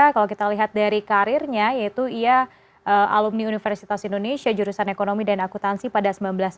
kalau kita lihat dari karirnya yaitu ia alumni universitas indonesia jurusan ekonomi dan akutansi pada sembilan belas